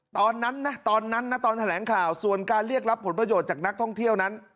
ตอนนั้นนะตอนนั้นนะตอนแถลงข่าวส่วนการเรียกรับผลประโยชน์จากนักท่องเที่ยวนั้น